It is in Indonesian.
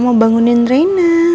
mama mau bangunin reina